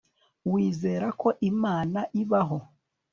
Wizera ko Imana ibaho